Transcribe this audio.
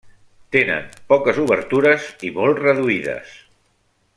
Tenen poques obertures i molt reduïdes.